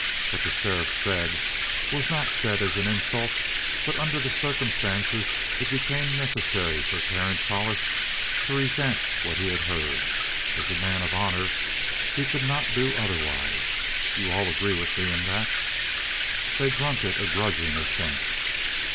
What the sheriff said was not said as an insult; but under the circumstances it became necessary for Terence Hollis to resent what he had heard. As a man of honor he could not do otherwise. You all agree with me in that?" They grunted a grudging assent.